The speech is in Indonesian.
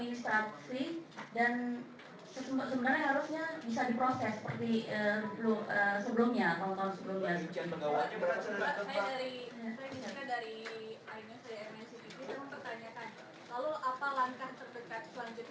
itu semuanya seluruhan